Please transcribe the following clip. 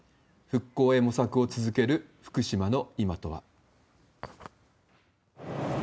復興へ模索を続ける福島の今とは。